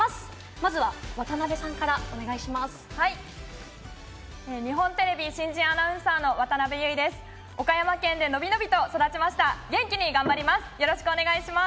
まず渡邉さんからお願いします。